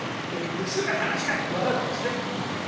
すぐ噺家って分かるんですね。